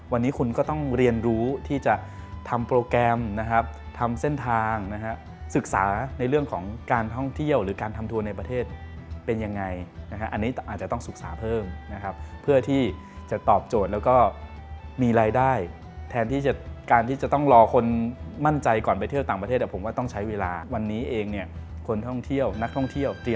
วันนี้คุณก็ต้องเรียนรู้ที่จะทำโปรแกรมนะครับทำเส้นทางนะฮะศึกษาในเรื่องของการท่องเที่ยวหรือการทำทัวร์ในประเทศเป็นยังไงนะฮะอันนี้อาจจะต้องศึกษาเพิ่มนะครับเพื่อที่จะตอบโจทย์แล้วก็มีรายได้แทนที่จะการที่จะต้องรอคนมั่นใจก่อนไปเที่ยวต่างประเทศผมว่าต้องใช้เวลาวันนี้เองเนี่ยคนท่องเที่ยวนักท่องเที่ยวจีน